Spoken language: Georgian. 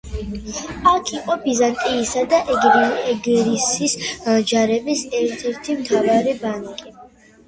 აქ იყო ბიზანტიისა და ეგრისის ჯარების ერთ-ერთი მთავარი ბანაკი.